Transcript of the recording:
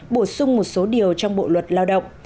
bổ sung một số điều trong bộ luật lao động